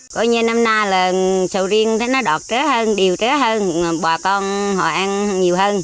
coi như năm nay là sầu riêng nó đọt tế hơn đều tế hơn bò con họ ăn nhiều hơn